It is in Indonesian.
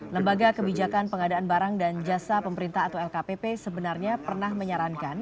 lembaga kebijakan pengadaan barang dan jasa pemerintah atau lkpp sebenarnya pernah menyarankan